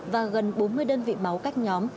và gần bốn mươi đơn vị máu các nhóm